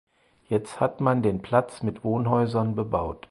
Jetzt hat man den Platz mit Wohnhäusern bebaut.